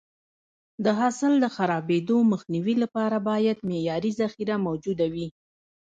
د حاصل د خرابېدو مخنیوي لپاره باید معیاري ذخیره موجوده وي.